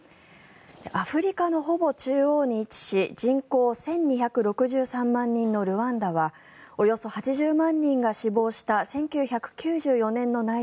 アフリカのほぼ中央に位置し人口１２６３万人のルワンダはおよそ８０万人が死亡した１９９４年の内